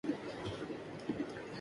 بقا کی خواہش انسانی جبلت ہے۔